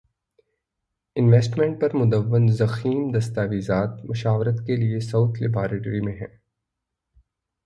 investment پر مدون ضخیم دستاویزات مشاورت کے لیے ساؤتھ لیبارٹری میں ہیں